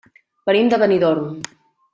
Venim de Benidorm.